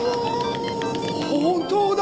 本当だ！